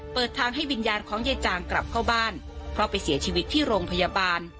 เปิดทางให้วิญญาณของยายจางกลับเข้าบ้านเพราะไปเสียชีวิตที่โรงพยาบาล